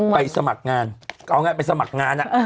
ไปสมัครงานเอางั้นไปสมัครงานอะ